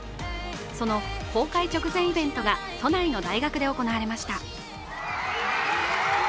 その公開直前イベントが都内の大学で行われました。